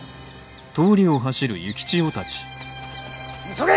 急げ！